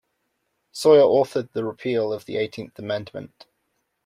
Sawyer authored the repeal of the Eighteenth Amendment.